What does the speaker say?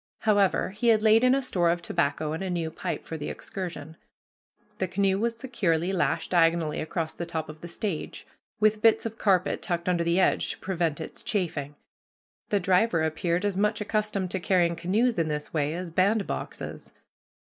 However, he had laid in a store of tobacco and a new pipe for the excursion. The canoe was securely lashed diagonally across the top of the stage, with bits of carpet tucked under the edge to prevent its chafing. The driver appeared as much accustomed to carrying canoes in this way as bandboxes.